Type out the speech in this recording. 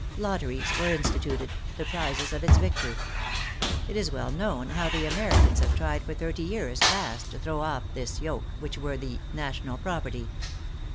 Lotteries were instituted, the prizes of its victory. It is well known how the Americans have tried for thirty years past to throw off this yoke, which were the "national property."